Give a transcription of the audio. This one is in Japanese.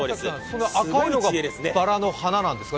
その赤いのがばらの花なんですか？